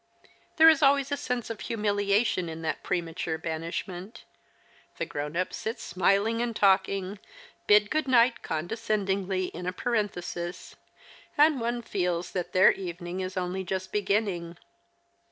There is always a sense of humiliation in that premature banishment. The grown ups sit smiling and 158 The Christmas Hirelings. talking — bid goodnight condescendingly in a parenthesis — and one feels that their evening is only just beginning.